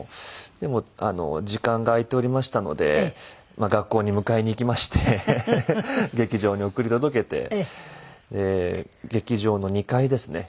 でも時間が空いておりましたので学校に迎えに行きまして劇場に送り届けて劇場の２階ですね。